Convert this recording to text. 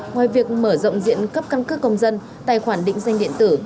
ngoài việc mở rộng diện cấp căn cước công dân tài khoản định danh điện tử